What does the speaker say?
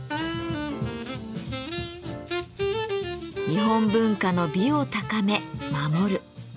日本文化の美を高め守る。